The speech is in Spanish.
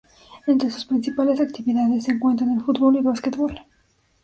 Entre sus principales actividades se encuentran el fútbol y el básquetbol.